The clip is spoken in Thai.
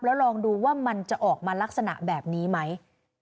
แล้วลองดูว่ามันจะออกมาลักษณะแบบนี้ไหม